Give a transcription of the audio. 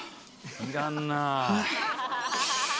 いらんなぁ。